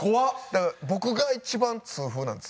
だから僕が一番痛風なんですよ。